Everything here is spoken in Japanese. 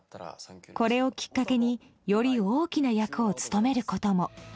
これをきっかけにより大きな役を務めることも。